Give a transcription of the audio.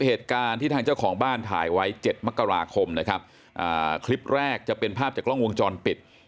เหตุการณ์ที่ทางเจ้าของบ้านถ่ายไว้เจ็ดมกราคมนะครับอ่าคลิปแรกจะเป็นภาพจากกล้องวงจรปิด